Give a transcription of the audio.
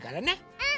うん！